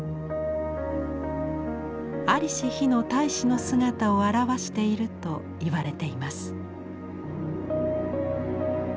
在りし日の太子の姿を表していると言われています。